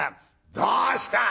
「どうした？